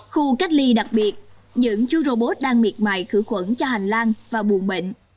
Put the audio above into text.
khu cách ly đặc biệt những chú robot đang miệt mài khử khuẩn cho hành lang và buồn bệnh